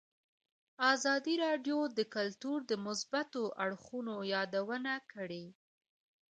ازادي راډیو د کلتور د مثبتو اړخونو یادونه کړې.